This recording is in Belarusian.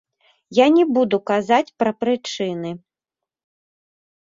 Я не буду казаць пра прычыны.